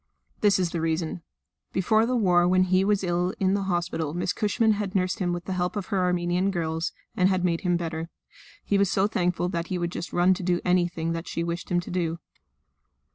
This is the reason. Before the war when he was ill in the hospital Miss Cushman had nursed him with the help of her Armenian girls, and had made him better; he was so thankful that he would just run to do anything that she wished him to do.